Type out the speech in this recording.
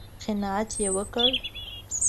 _قناعت يې وکړ؟